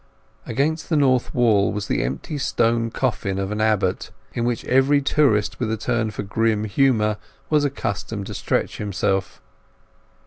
Against the north wall was the empty stone coffin of an abbot, in which every tourist with a turn for grim humour was accustomed to stretch himself.